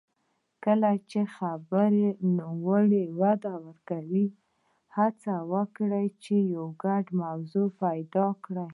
کله چې خبرې نوره وده کوي، هڅه وکړئ چې یو ګډه موضوع پیدا کړئ.